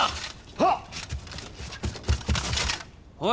はっ！